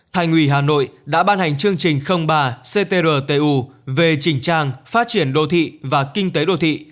thành ủy hà nội đã ban hành chương trình ba ctrtu về chỉnh trang phát triển đô thị và kinh tế đô thị